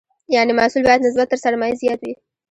یعنې محصول باید نسبت تر سرمایې زیات وي.